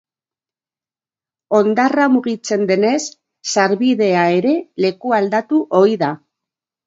Hondarra mugitzen denez, sarbidea ere lekualdatu ohi da.